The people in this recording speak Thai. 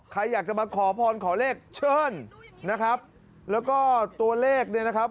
ใครอยากจะมาขอพรขอเลขเชิญนะครับแล้วก็ตัวเลขเนี่ยนะครับ